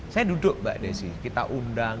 saya duduk mbak desi kita undang